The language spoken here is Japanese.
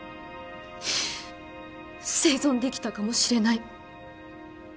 生存できたかもしれない。